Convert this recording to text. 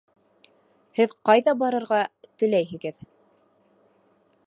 Һеҙ ҡайҙа барырға теләйһегеҙ?